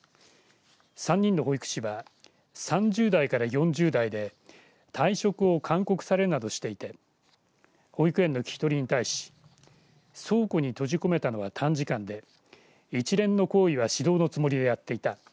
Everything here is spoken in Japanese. ３人の保育士は３０代から４０代で退職を勧告されるなどしていて保育園の聞き取りに対し倉庫に閉じ込めたのは短時間で一連の行為は指導のつもりでやっていた。